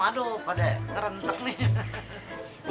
aduh pada kerentak nih